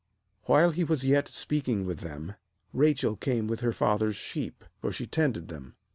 9While he was yet speaking with them, Rachel came with her father's sheep; for she tended them.